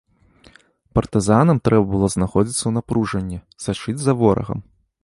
Партызанам трэба было знаходзіцца ў напружанні, сачыць за ворагам.